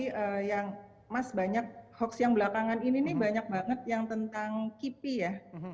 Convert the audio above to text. jadi yang mas banyak hoaks yang belakangan ini nih banyak banget yang tentang kipi ya